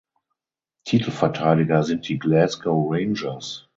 Titelverteidiger sind die Glasgow Rangers.